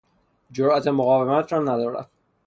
جرات مقاومت را ندارد.